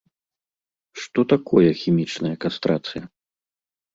Што такое хімічная кастрацыя?